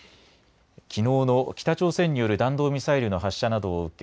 きのうの北朝鮮による弾道ミサイルの発射などを受け